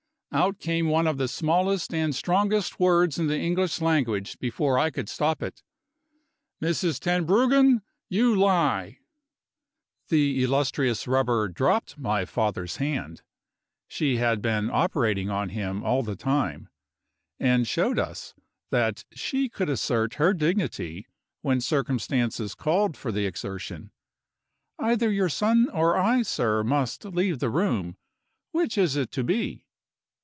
Out came one of the smallest and strongest words in the English language before I could stop it: "Mrs. Tenbruggen, you lie!" The illustrious Rubber dropped my father's hand she had been operating on him all the time and showed us that she could assert her dignity when circumstances called for the exertion: "Either your son or I, sir, must leave the room. Which is it to be?"